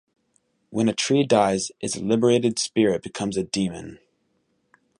When a tree dies, its liberated spirit becomes a demon.